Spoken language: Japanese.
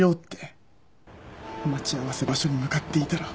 待ち合わせ場所に向かっていたら。